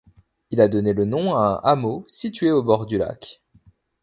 Il a donné le nom à un hameau situé au bord du lac.